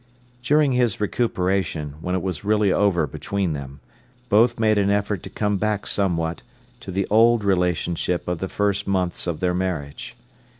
During his recuperation, when it was really over between them, both made an effort to come back somewhat to the old relationship of the first months of their marriage.